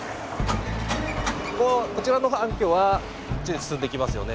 こちらの暗渠はあっちに進んでいきますよね。